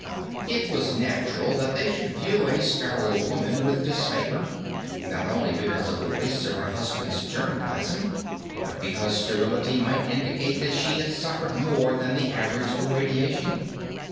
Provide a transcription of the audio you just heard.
It was natural that they should view a sterile woman with disfavor, and not only because of the waste of her husband's germ plasm, but because sterility might indicate that she had suffered more than the average from radiation.